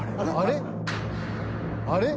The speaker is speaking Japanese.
あれ？